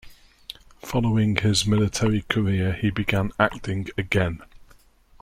Following his military career he began acting again.